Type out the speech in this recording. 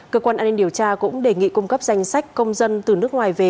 cơ quan an ninh điều tra cũng đề nghị cung cấp danh sách công dân từ nước ngoài về